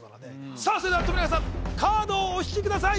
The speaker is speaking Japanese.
さあそれでは富永さんカードをお引きください